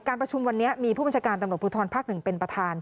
การประชุมวันนี้มีผู้บัญชาการตำรวจผู้ทรพักหนึ่งเป็นประธาน